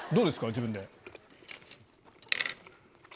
自分で。